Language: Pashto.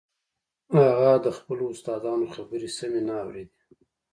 هغه د خپلو استادانو خبرې سمې نه اورېدې.